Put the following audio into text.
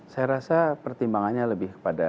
saya rasa pertimbangannya lebih kepada